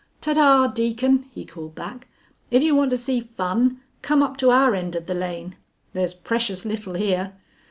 "Ta, ta, Deacon," he called back; "if you want to see fun, come up to our end of the lane; there's precious little here."